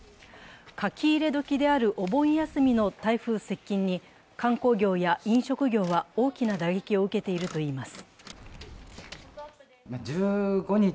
書き入れ時であるお盆休みの台風接近に観光業や飲食業は大きな打撃を受けているといいます。